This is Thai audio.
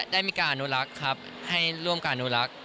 ได้มีการอนุรักษ์ครับให้ร่วมการอนุรักษ์